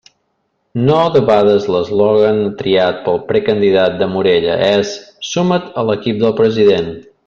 No debades l'eslògan triat pel precandidat de Morella és «Suma't a l'equip del president».